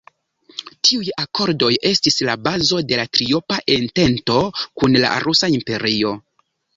Tiuj akordoj estis la bazo de la "Triopa Entento" kun la Rusa Imperio.